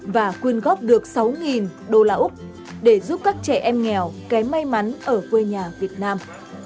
và quyên góp được sáu đô la úc để giúp các trẻ em nghèo kém may mắn ở quê nhà việt nam